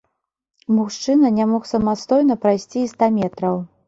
Мужчына не мог самастойна прайсці і ста метраў.